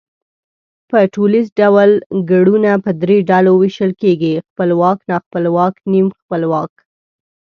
په ټوليز ډول گړونه په درې ډلو وېشل کېږي، خپلواک، ناخپلواک، نیم خپلواک